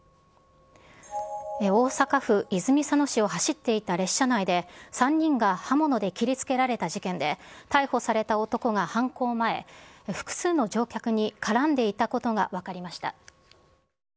大阪府泉佐野市を走っていた列車内で、３人が刃物で切りつけられた事件で、逮捕された男が犯行前、複数の乗客に絡んでいたことが分かりました。